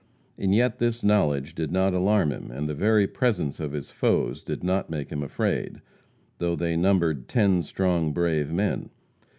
And yet this knowledge did not alarm him, and the very presence of his foes did not make him afraid, though they numbered "ten strong, brave men."